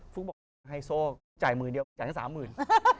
ฟุ๊กบอกไฮโซจ่ายหมื่นเดียวจ่ายทั้ง๓๐๐๐๐